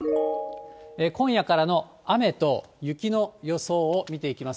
今夜からの雨と雪の予想を見ていきます。